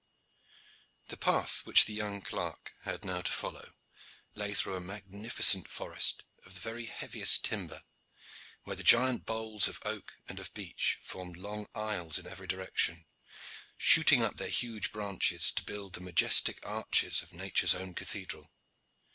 The path which the young clerk had now to follow lay through a magnificent forest of the very heaviest timber, where the giant bowls of oak and of beech formed long aisles in every direction, shooting up their huge branches to build the majestic arches of Nature's own cathedral.